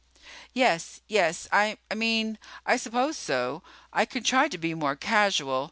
"Yes, yes I mean, I suppose so. I can try to be more casual.